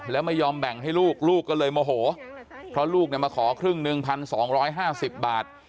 แล้วไม่ยอมแบ่งให้ลูกลูกก็เลยโมโหเพราะลูกมาขอครึ่งหนึ่ง๑๒๕๐บาท